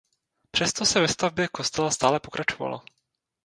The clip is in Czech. Přesto se ve stavbě kostela stále pokračovalo.